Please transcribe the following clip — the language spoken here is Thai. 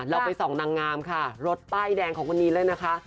เราไปส่องนางงามค่ะรถป้ายแดงของคนนี้เลยนะคะ